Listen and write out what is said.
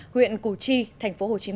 huyện củ chi tp hcm